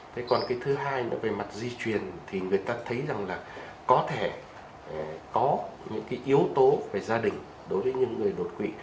thế còn cái thứ hai nữa về mặt di truyền thì người ta thấy rằng là có thể có những cái yếu tố về gia đình đối với những người đột quỵ